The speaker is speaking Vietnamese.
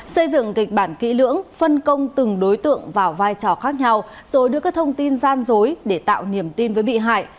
xây dựng kịch bản kỹ lưỡng phân công từng đối tượng vào vai trò khác nhau rồi đưa các thông tin gian dối để tạo niềm tin với bị hại